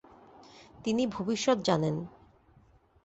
তিনি ভবিষ্যত জানেন।